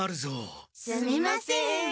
すみません。